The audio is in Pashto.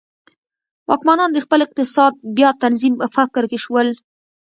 واکمنان د خپل اقتصاد بیا تنظیم په فکر کې شول.